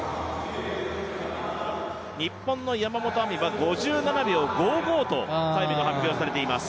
日本の山本亜美は５７秒５５というタイムが発表されています。